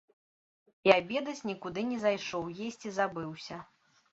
І абедаць нікуды не зайшоў, есці забыўся.